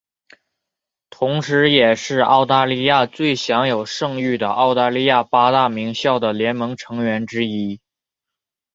同时也是澳大利亚最享有盛誉的澳大利亚八大名校的联盟成员之一。